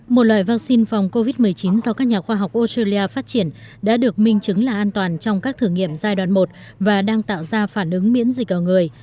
một loại vaccine phòng covid một mươi chín do các nhà khoa học australia phát triển đã được minh chứng là an toàn trong các thử nghiệm giai đoạn một và đang tạo ra phản ứng miễn dịch ở người